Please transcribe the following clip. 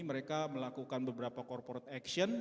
mereka melakukan beberapa corporate action